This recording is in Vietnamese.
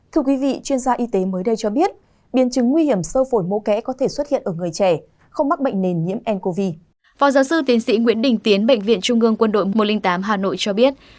thưa quý vị chuyên gia y tế mới đây cho biết